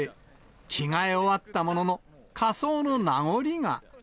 着替え終わったものの、仮装の名残が。